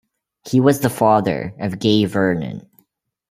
He was the father of Gay Vernon.